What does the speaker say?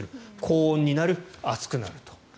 高温になる、暑くなると。